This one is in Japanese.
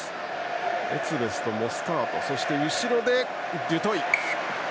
エツベスとモスタートそして後ろでデュトイ。